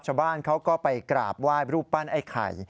ชาวบ้านเขาก็ไปกราบไหว้รูปปั้นไอ้ไข่